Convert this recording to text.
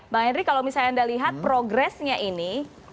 bang henry kalau misalnya anda lihat progresnya ini